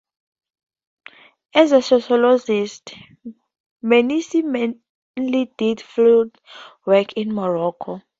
As a sociologist, Mernissi mainly did field work in Morocco.